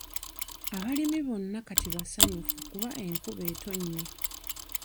Abalimi bonna kati basanyufu kuba enkuba etonnye.